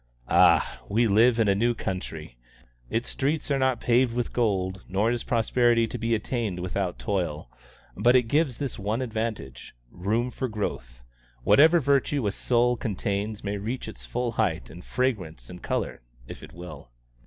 Ah! we live in a new country. Its streets are not paved with gold, nor is prosperity to be attained without toil; but it gives this one advantage room for growth; whatever virtue a soul contains may reach its full height and fragrance and colour, if it will.